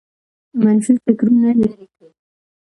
منفي فکرونه لرې کړئ